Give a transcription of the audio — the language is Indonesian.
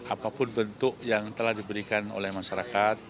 apapun bentuk yang telah diberikan oleh masyarakat